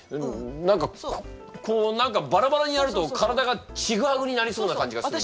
何かこう何かバラバラにやると体がちぐはぐになりそうな感じがするんだが。